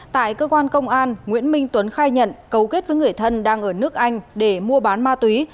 tại cơ quan công an nguyễn minh tuấn khai nhận cấu kết với người thân đang ở nước anh để mua bán ma túy